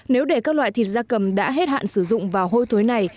nếu để các loại thịt ra cầm đã hết hạn sử dụng vào hôi tối này